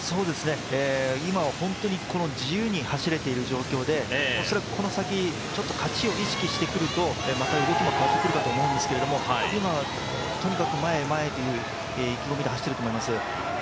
今自由に走れている状況で恐らくこの先、勝ちを意識してくると、まだ動きも変わってくると思うんですけど今、とにかく前へ前へという意気込みで走っていると思います。